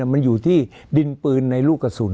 มันอยู่ที่ดินปืนในลูกกระสุน